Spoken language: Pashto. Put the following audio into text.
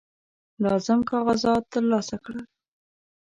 لازم کاغذات ترلاسه کړل.